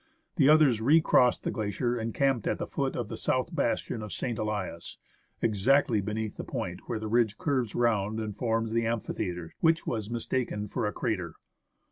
The others re crossed the glacier, and camped at the foot of the south bastion of St. Elias, exactly beneath the point where the ridge curves round and forms the amphitheatre which was mistaken for a crater.